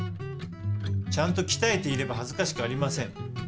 ちゃんときたえていればはずかしくありません。